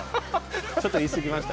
ちょっと言い過ぎました。